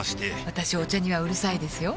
私お茶にはうるさいですよ